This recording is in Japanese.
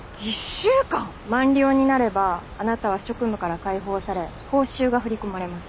満了になればあなたは職務から解放され報酬が振り込まれます。